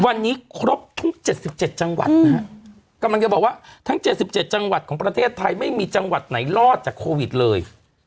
วันนี้ครบทุก๗๗จังหวัดนะฮะกำลังจะบอกว่าทั้ง๗๗จังหวัดของประเทศไทยไม่มีจังหวัดไหนรอดจากโควิดเลย